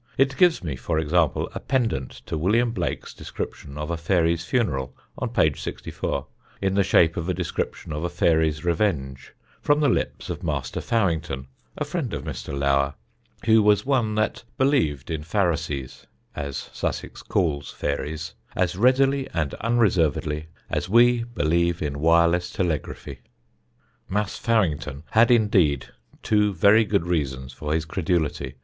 It gives me, for example, a pendent to William Blake's description of a fairy's funeral on page 64, in the shape of a description of a fairy's revenge, from the lips of Master Fowington, a friend of Mr. Lower, who was one that believed in Pharisees (as Sussex calls fairies) as readily and unreservedly as we believe in wireless telegraphy. Mas' Fowington had, indeed, two very good reasons for his credulity.